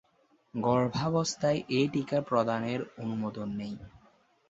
গর্ভাবস্থায় এ টিকা প্রদানের অনুমোদন নেই।